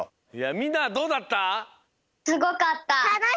みんなどうだった？